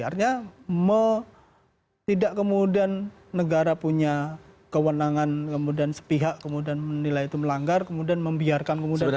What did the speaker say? artinya tidak kemudian negara punya kewenangan kemudian sepihak kemudian menilai itu melanggar kemudian membiarkan kemudian